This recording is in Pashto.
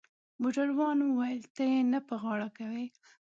موټروان وویل: ته يې نه په غاړه کوې؟